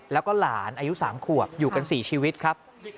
แล้วก็หลานอายุ๓ขวบอยู่กัน๔ชีวิตครับ